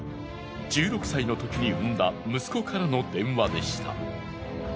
１６歳のときに産んだ息子からの電話でした。